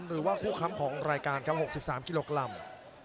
หรือว่าคู่คำของรายการครับหกสิบสามกิโลกรัม